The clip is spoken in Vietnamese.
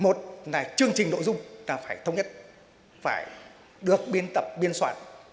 một chục cụ thể một chương trình nội dung này phải thống nhất phải được biên tập biên soạn